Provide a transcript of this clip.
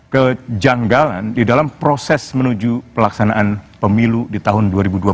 kejanggalan di dalam proses menuju pelaksanaan pemilu di tahun dua ribu dua puluh